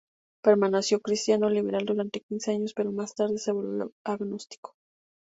Permaneció cristiano liberal durante quince años, pero más tarde se volvió agnóstico.